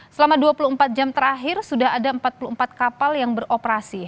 selama dua puluh empat jam terakhir sudah ada empat puluh empat kapal yang beroperasi